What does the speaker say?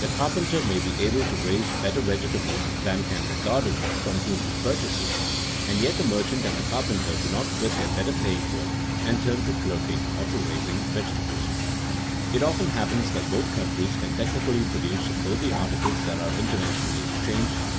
The carpenter may be able to raise better vegetables than can the gardener from whom he purchases, and yet the merchant and the carpenter do not quit their better paying work and turn to clerking or to raising vegetables. [Sidenote: As between communities differing in advantages] It often happens that both countries can technically produce both the articles that are internationally exchanged.